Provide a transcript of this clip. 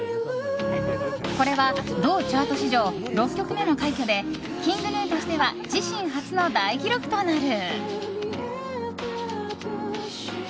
これは同チャート史上６曲目の快挙でＫｉｎｇＧｎｕとしては自身初の大記録となる。